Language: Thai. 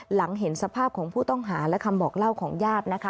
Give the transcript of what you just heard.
หลังเห็นสภาพของผู้ต้องหาและคำบอกเล่าของญาตินะคะ